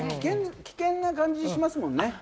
危険な感じしますもんね。